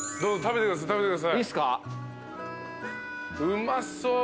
うまそう。